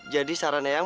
jadi saran ya yang